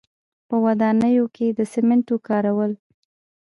په ودانیو کې د سیمنټو کارول.